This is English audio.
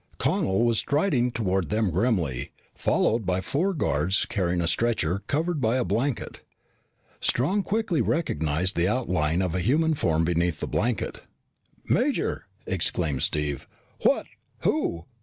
Connel was striding toward them grimly, followed by four guards carrying a stretcher covered by a blanket. Strong quickly recognized the outline of a human form beneath the blanket. "Major," exclaimed Steve, "what who